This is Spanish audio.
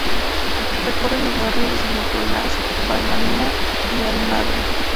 Recorre los barrios de San Nicolás, Balvanera y Almagro.